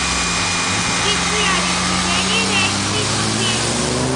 ქიცვიანი ზვიგენი რეწვის ობიექტია.